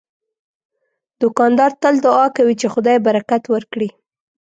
دوکاندار تل دعا کوي چې خدای برکت ورکړي.